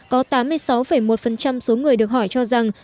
có tám mươi sáu một số người được hỏi cho rằng